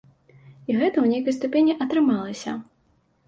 І гэта ў нейкай ступені атрымалася.